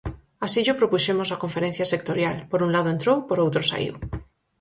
Así llo propuxemos á Conferencia Sectorial; por un lado entrou, por outro saíu.